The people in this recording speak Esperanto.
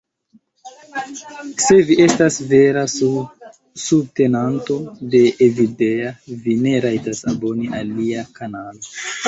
Se vi estas vera subtenanto de Evildea, vi ne rajtas aboni al lia kanalo